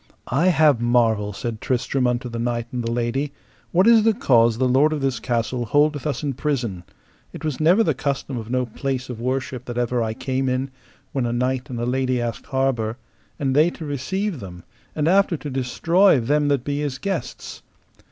I have marvel, said Tristram unto the knight and the lady, what is the cause the lord of this castle holdeth us in prison: it was never the custom of no place of worship that ever I came in, when a knight and a lady asked harbour, and they to receive them, and after to destroy them that be his guests.